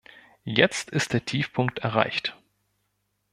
Jetzt ist der Tiefpunkt erreicht!